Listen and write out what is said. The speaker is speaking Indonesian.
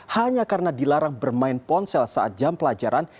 hanya karena dilarang bermain ponsel saat jam pelajaran